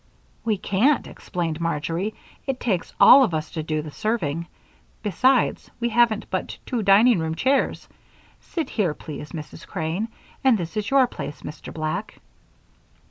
"We can't," explained Marjory. "It takes all of us to do the serving. Besides, we haven't but two dining room chairs. Sit here, please, Mrs. Crane; and this is your place, Mr. Black."